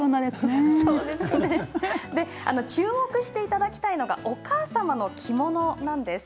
注目していただきたいのがお母様の着物なんです。